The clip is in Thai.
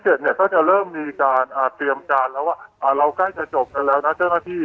ก็จะเริ่มมีการเตรียมการแล้วว่าเราใกล้จะจบกันแล้วนะเจ้าหน้าที่